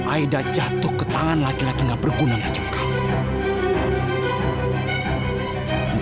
aida jatuh ke tangan laki laki gak berguna ke jepang